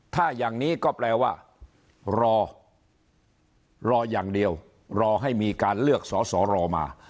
ถ้าอย่างนี้ก็แปลว่ารอรออย่างเดียวรอให้มีการเลือกสอสอรอมา